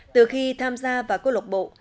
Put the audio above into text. từ khi tham gia vào câu lạc bộ